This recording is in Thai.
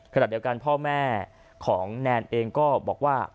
ขณะเดียวกันพ่อแม่ของแนนเองก็บอกว่า